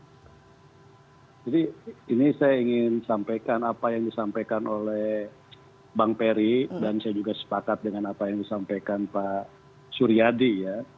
jadi ini saya ingin sampaikan apa yang disampaikan oleh bang ferry dan saya juga sepakat dengan apa yang disampaikan pak suryadi ya